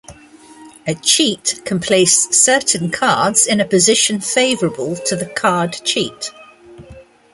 A cheat can place certain cards in a position favorable to the card cheat.